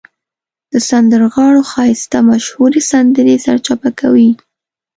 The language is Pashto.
د سندرغاړو ښایسته مشهورې سندرې سرچپه کوي.